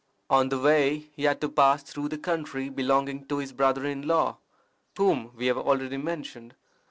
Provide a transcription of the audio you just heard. On the way he had to pass through the country belonging to his brother in law, whom we have already mentioned.